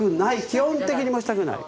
基本的に持ちたくない。